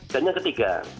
dan yang ketiga